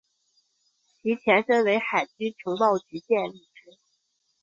其前身为海军情报局建立之。